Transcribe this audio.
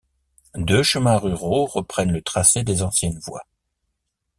Deux chemins ruraux reprennent le tracé des anciennes voies.